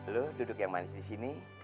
lo duduk yang manis disini